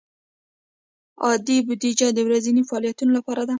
عادي بودیجه د ورځنیو فعالیتونو لپاره ده.